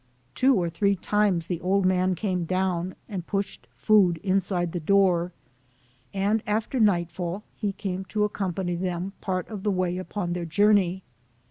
Two or three times the old man came down, and pushed food inside the door, and after nightfall he came to accompany them part of the way upon their journey.